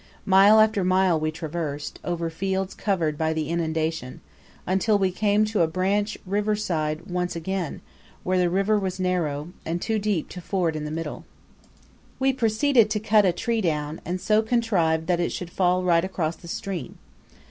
Mile after mile we traversed, over fields covered by the inundation, until we came to a branch river side once again, where the river was narrow, and too deep to ford in the middle. We proceeded to cut a tree down, and so contrived that it should fall right across the stream.